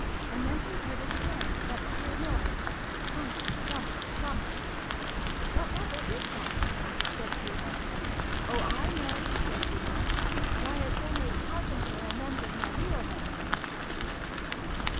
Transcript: And then he heard it again, that queer noise Thump ! Thump ! Thump !' What ever is that ?' said Bruno. ' Oh, I know !' said Bruno. ' Why, it's only the Carpenter a mending my Wheelbarrow